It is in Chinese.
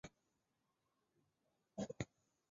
曾为成员。